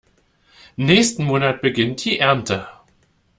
Nächsten Monat beginnt die Ernte.